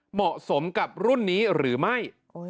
เหมาะสมกับรุ่นนี้หรือไม่